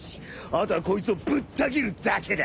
あとはこいつをぶった斬るだけだ！